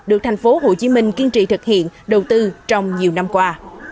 được tp hcm kiên trì thực hiện đầu tư trong nhiều năm qua